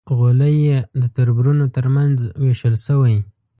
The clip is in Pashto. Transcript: غولی یې د تربرونو تر منځ وېشل شوی.